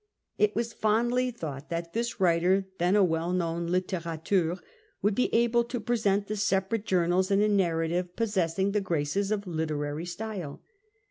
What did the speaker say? It wa^ fondly thought that this writer, then a well known lUtiraieur, would be able to present the separate journals in a narrative possessing the graces of literary style.